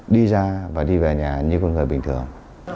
đi ra và đi về nhà như con người bình thường